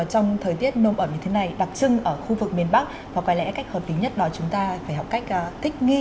trong thời tiết nôm ẩm như thế này đặc trưng ở khu vực miền bắc và có lẽ cách hợp lý nhất đó chúng ta phải học cách thích nghi